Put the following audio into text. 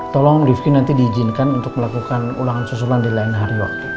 tolong rifki nanti diizinkan untuk melakukan ulangan susulan di lain hari waktu